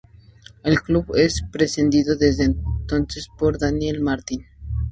El Club es presidido desde entonces por Daniel Martín.